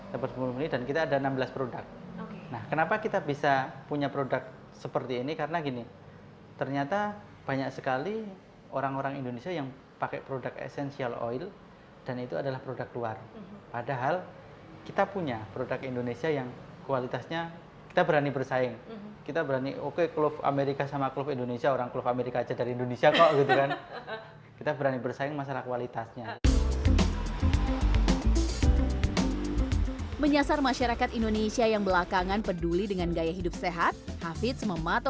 selain untuk parfum kalau misalnya saya ada alergi saya olesin ke bagian yang alergi itu